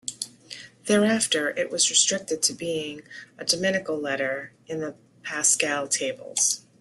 Thereafter it was restricted to being a dominical letter in the Paschal tables.